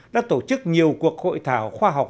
đã tổ chức nhiều cuộc hội thảo khoa học